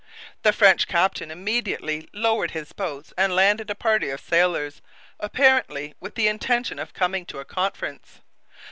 The French captain immediately lowered his boats and landed a party of sailors, apparently with the intention of coming to a conference.